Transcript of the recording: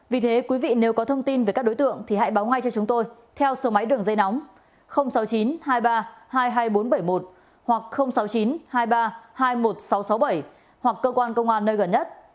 vì thế quý vị nếu có thông tin về các đối tượng thì hãy báo ngay cho chúng tôi theo số máy đường dây nóng sáu mươi chín hai mươi ba hai mươi hai nghìn bốn trăm bảy mươi một hoặc sáu mươi chín hai mươi ba hai mươi một nghìn sáu trăm sáu mươi bảy hoặc cơ quan công an nơi gần nhất